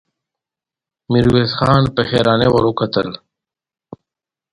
ميرويس خان په حيرانۍ ورته وکتل.